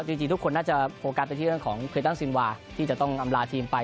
จริงทุกคนน่าจะโฟกัสไปที่เรื่องของคริตันซินวาที่จะต้องอำลาทีมไป